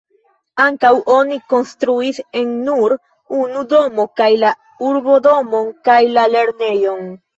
Ankaŭ oni konstruis en nur unu domo kaj la urbodomon kaj la lernejon.